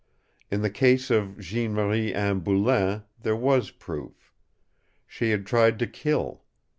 In the case of Jeanne Marie Anne Boulain there was proof. She had tried to kill.